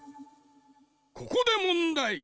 ここでもんだい。